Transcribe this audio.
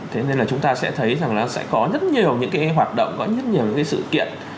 thế nên là chúng ta sẽ thấy rằng nó sẽ có rất nhiều những cái hoạt động có rất nhiều những cái sự kiện